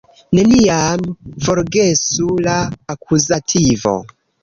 Neniam forgesu la akuzativo!